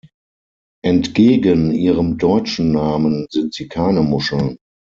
Entgegen ihrem deutschen Namen sind sie keine Muscheln.